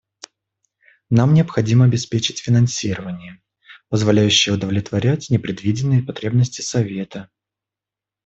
Нам необходимо обеспечить финансирование, позволяющее удовлетворять непредвиденные потребности Совета.